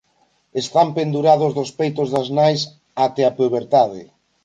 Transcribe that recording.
Están pendurados dos peitos das nais até a puberdade.